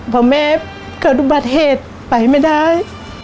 เพราะแม่เกิดบัตรเหตุไปไม่ได้